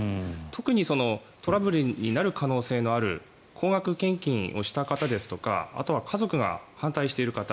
特にトラブルになる可能性にある高額献金をした方ですとかあとは家族が反対している方。